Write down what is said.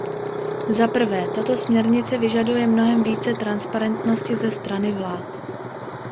Zaprvé, tato směrnice vyžaduje mnohem více transparentnosti ze strany vlád.